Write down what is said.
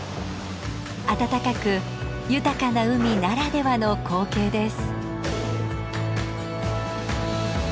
あたたかく豊かな海ならではの光景です。